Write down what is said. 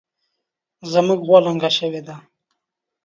زمونږ غوا لنګه شوې ده